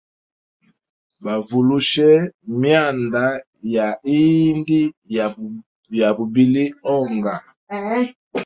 Bavulushe mianda ya ihindi ya bubili onga.